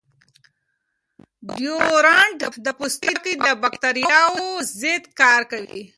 ډیوډرنټ د پوستکي د باکتریاوو ضد کار کوي.